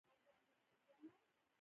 احمد تل نصیحت کوي.